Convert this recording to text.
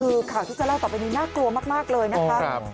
คือข่าวที่จะเล่าต่อไปนี้น่ากลัวมากเลยนะคะ